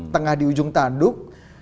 tengah di ujung tanduk